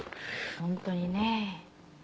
本当にね。